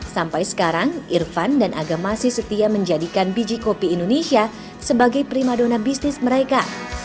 sampai sekarang irfan dan aga masih setia menjadikan biji kopi indonesia sebagai prima dona bisnis mereka